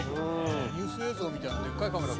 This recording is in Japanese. ニュース映像みたいなでっかいカメラ。